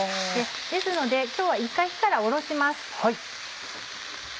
ですので今日は一回火から下ろします。